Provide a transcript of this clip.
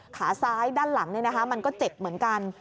ขาซ้ายด้านหลังมันก็เจ็บเหมือนกัน